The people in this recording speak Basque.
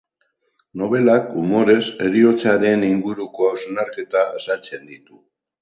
Nobelak, umorez, heriotzaren inguruko hausnarketa azaltzen ditu.